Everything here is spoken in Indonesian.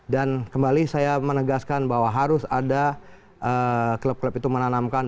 dan kembali saya menegaskan bahwa harus ada klub klub itu menanamkan